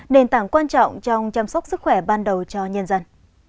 nền tảng quan trọng trong chăm sóc sức khỏe ban đầu cho nhân dân